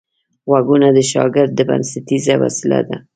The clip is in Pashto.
غوږونه د شاګرد بنسټیزه وسیله ده